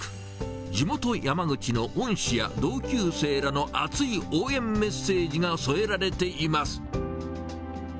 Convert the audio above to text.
地元、山口の恩師や同級生らの熱い応援メッセージが添えられています。